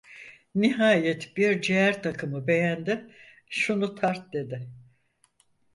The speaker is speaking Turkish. Nihayet bir ciğer takımı beğendi: "Şunu tart!" dedi.